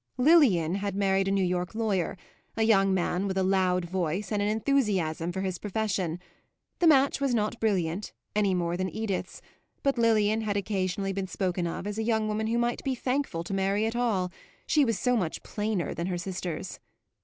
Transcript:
Lilian had married a New York lawyer, a young man with a loud voice and an enthusiasm for his profession; the match was not brilliant, any more than Edith's, but Lilian had occasionally been spoken of as a young woman who might be thankful to marry at all she was so much plainer than her sisters.